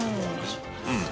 ・うん。